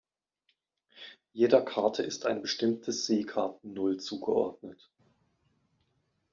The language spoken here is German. Jeder Karte ist ein bestimmtes Seekartennull zugeordnet.